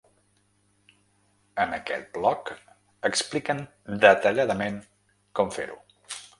En aquest blog expliquen detalladament com fer-ho.